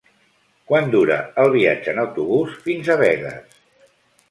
Quant dura el viatge en autobús fins a Begues?